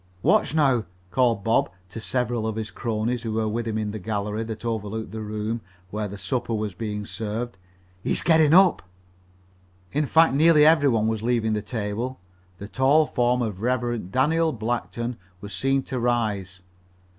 "Watch now!" called Bob to several of his cronies who were with him in the gallery that overlooked the room where supper was being served. "He's getting up." In fact nearly every one was leaving the table. The tall form of Rev. Daniel Blackton was seen to rise.